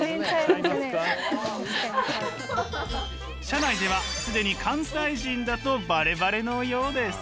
社内では既に関西人だとバレバレのようです。